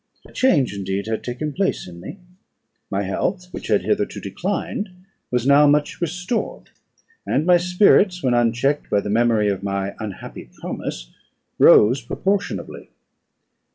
A change indeed had taken place in me: my health, which had hitherto declined, was now much restored; and my spirits, when unchecked by the memory of my unhappy promise, rose proportionably.